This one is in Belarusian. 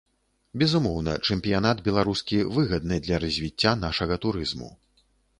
Безумоўна, чэмпіянат беларускі выгадны для развіцця нашага турызму.